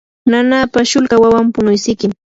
nanapa shulka wawan punuysikim.